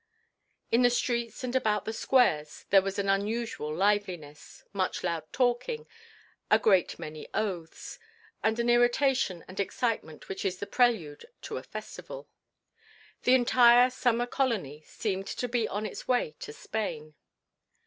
In the streets and about the squares there was an unusual liveliness, much loud talking, a great many oaths, and the irritation and excitement which is the prelude to a festival. The entire summer colony seemed to be on its way to Spain.